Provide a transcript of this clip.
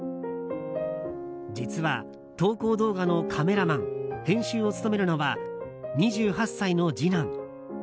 実は投稿動画のカメラマン編集を務めるのは２８歳の次男。